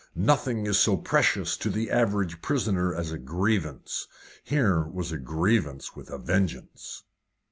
Nothing is so precious to the average prisoner as a grievance; here was a grievance with a vengeance.